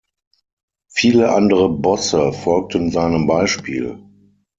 Viele andere Bosse folgten seinem Beispiel.